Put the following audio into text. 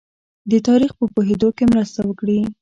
د تاریخ په پوهېدو کې مرسته وکړي.